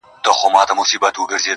دا لومي د شیطان دي، وسوسې دي چي راځي!